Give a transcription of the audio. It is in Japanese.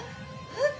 えっ？